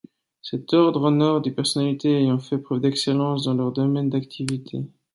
Cet ordre honore des personnalités ayant fait preuve d’excellence dans leur domaine d’activité.